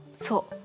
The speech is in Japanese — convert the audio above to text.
そう。